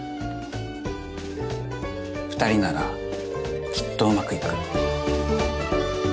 ２人ならきっとうまくいく。